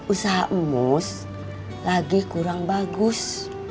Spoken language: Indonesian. usaha umus lagi kurang bagus